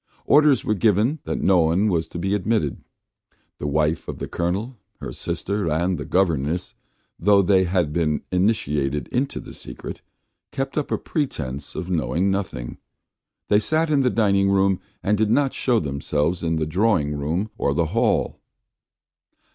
Orders were given that no one was to be admitted. The wife of the Colonel, her sister, and the governess, though they had been initiated into the secret, kept up a pretence of knowing nothing; they sat in the dining room and did not show themselves in the drawing room or the hall.